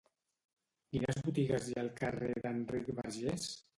Quines botigues hi ha al carrer d'Enric Bargés?